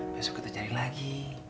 besok kita cari lagi